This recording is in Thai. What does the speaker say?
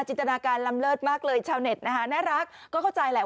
ตนาการลำเลิศมากเลยชาวเน็ตนะคะน่ารักก็เข้าใจแหละ